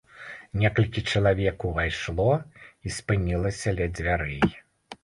Некалькі чалавек увайшло і спынілася ля дзвярэй.